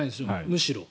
むしろ。